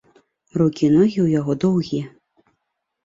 Рукі і ногі ў яго доўгія.